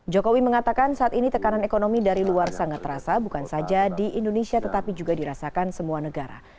jokowi mengatakan saat ini tekanan ekonomi dari luar sangat terasa bukan saja di indonesia tetapi juga dirasakan semua negara